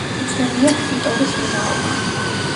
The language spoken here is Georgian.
უცნობია ქტიტორის ვინაობა.